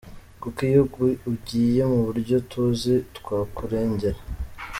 Kuko iyo ugiye mu buryo tuzi…twakurengera.